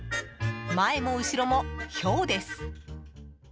前も後ろもヒョウです。